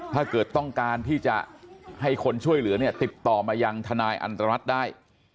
ถ้าเกิดต้องการที่จะให้คนช่วยเหลือเนี่ยติดต่อมายังทนายอันตรรัฐได้